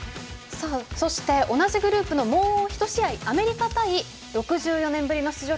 同じグループのもう１試合アメリカ対６４年ぶりの出場